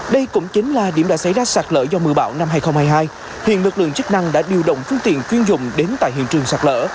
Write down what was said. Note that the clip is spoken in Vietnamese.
đây cũng chính là điểm đã xảy ra sạt lỡ do mưa bão năm hai nghìn hai mươi hai hiện lực lượng chức năng đã điều động phương tiện chuyên dụng đến tại hiện trường sạt lỡ